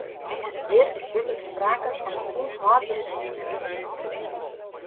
Hjir is dúdlik sprake fan in ûnhâldbere situaasje.